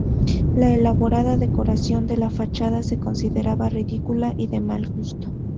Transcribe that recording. La elaborada decoración de la fachada se consideraba ridícula y de mal gusto.